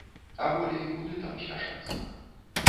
А болей куды там спяшацца?